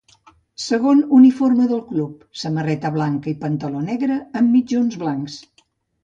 Segon uniforme del club, samarreta blanca i pantaló negre, amb mitjons blancs.